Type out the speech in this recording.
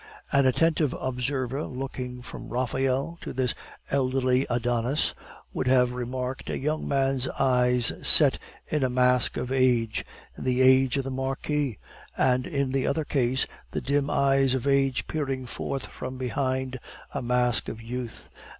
An attentive observer looking from Raphael to this elderly Adonis would have remarked a young man's eyes set in a mask of age, in the case of the Marquis, and in the other case the dim eyes of age peering forth from behind a mask of youth.